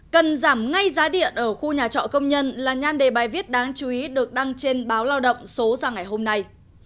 cần giảm ngay giá điện ở khu nhà trọ công nhân là nhan đề bài viết đáng chú ý được đăng trên báo lao động số ra ngày hôm nay